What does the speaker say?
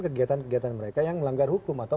kegiatan kegiatan mereka yang melanggar hukum atau